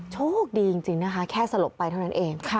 โชคดีจริงนะคะแค่สลบไปเท่านั้นเอง